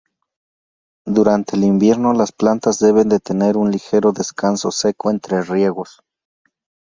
Durante el invierno las plantas deben tener un ligero descanso seco entre riegos.